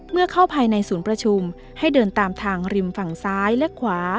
เมื่อเข้าภายในศูนย์ประชุมให้เดินตามทางริมฝั่งซ้ายและขวา